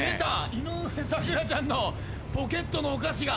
井上咲楽ちゃんのポケットのお菓子が！